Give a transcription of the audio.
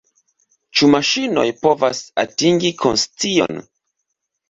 Ĉu maŝinoj povas atingi konscion?